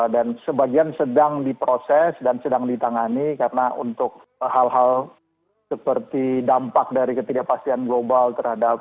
dan sebagian sedang diproses dan sedang ditangani karena untuk hal hal seperti dampak dari ketidakpastian global terhadap